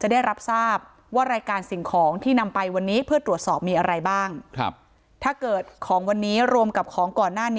จะได้รับทราบว่ารายการสิ่งของที่นำไปวันนี้เพื่อตรวจสอบมีอะไรบ้างครับถ้าเกิดของวันนี้รวมกับของก่อนหน้านี้